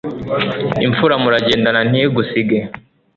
impfura muragendana ntigusige